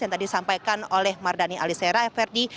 yang tadi disampaikan oleh mardani alisera verdi